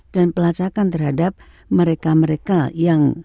dan pelacakan terhadap mereka mereka yang